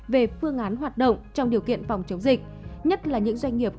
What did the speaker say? về phương án hoạt động trong điều kiện phòng chống dịch nhất là những doanh nghiệp